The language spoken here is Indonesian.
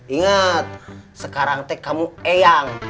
ingat sekarang teh kamu eyang